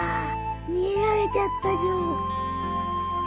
逃げられちゃったじょ。